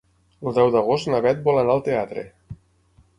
El deu d'agost na Beth vol anar al teatre.